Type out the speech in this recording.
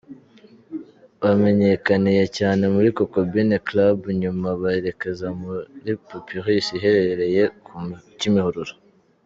Bamenyekaniye cyane muri Cocobean Club nyuma berekeza muri Papyrus iherereye ku Kimihurura.